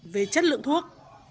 về chất lượng thuốc